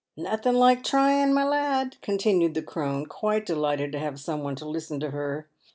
" Nothin' like trying, my lad," continued the crone, quite delighted to have some one to listen to her.